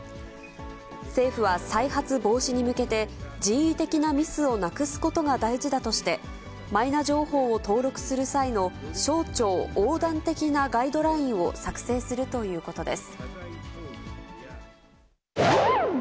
政府は、再発防止に向けて、人為的なミスをなくすことが大事だとして、マイナ情報を登録する際の省庁横断的なガイドラインを作成するということです。